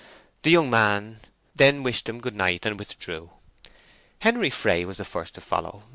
The young man then wished them good night and withdrew. Henery Fray was the first to follow.